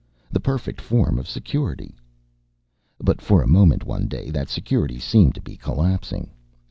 The perfect form of security." But for a moment one day that security seemed to be collapsing.